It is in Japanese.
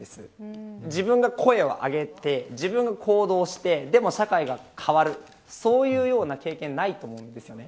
自分が声を上げて自分が行動してそれで社会が変わるという経験がないと思うんです。